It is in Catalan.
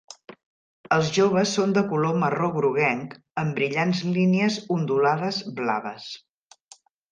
Els joves són de color marró groguenc amb brillants línies ondulades blaves.